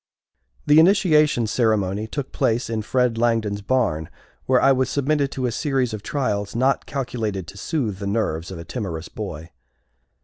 The initiation ceremony took place in Fred Langdon's barn, where I was submitted to a series of trials not calculated to soothe the nerves of a timorous boy.